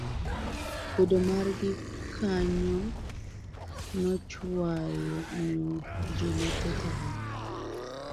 Bedo margi kanyo nochwayo jo mathoth ahinya.